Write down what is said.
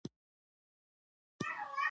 کاناډا د فرصتونو ځمکه ده.